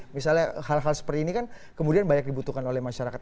misalnya hal hal seperti ini kan kemudian banyak dibutuhkan oleh masyarakat